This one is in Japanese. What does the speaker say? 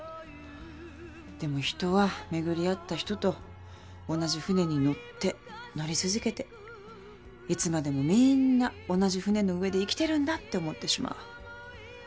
でも人は巡り会った人と同じ船に乗って乗り続けていつまでもみんな同じ船の上で生きてるんだって思ってしまう。